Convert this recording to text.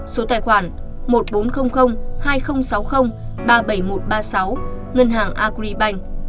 số tài khoản một bốn không không hai không sáu không ba bảy một ba sáu ngân hàng agribank